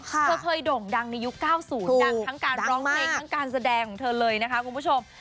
เธอเคยโด่งดังในยุค๙๐ดังทั้งการร้องเพลงทั้งการแสดงของเธอเลยนะคะคุณผู้ชม